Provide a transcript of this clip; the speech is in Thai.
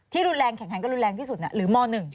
ที่รุนแรงเป็นมอ๑